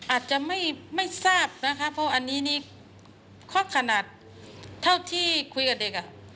อาจจะไม่ทราบนะคะเพราะอันนี้นี่ข้อขนาดเท่าที่คุยกับเด็กอ่ะ